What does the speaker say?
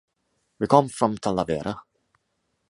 We com from Talavera.